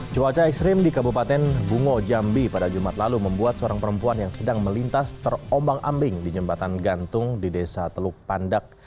cuaca ekstrim di kabupaten bungo jambi pada jumat lalu membuat seorang perempuan yang sedang melintas terombang ambing di jembatan gantung di desa teluk pandak